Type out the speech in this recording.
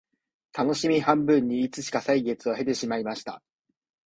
たのしみ半分にいつしか歳月を経てしまいました